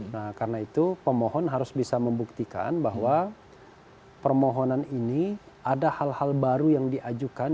nah karena itu pemohon harus bisa membuktikan bahwa permohonan ini ada hal hal baru yang diajukan